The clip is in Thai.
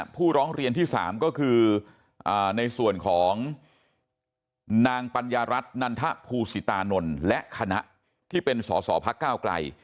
ผู้ร้องเรียนที่๓ก็คือในส่วนของนางปัญญารัฐนันทภูสิตานนท์และคณะที่เป็นสอสอพักก้าวไกล